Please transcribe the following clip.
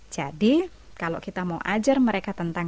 jadi kalau kita mau ajar mereka tentang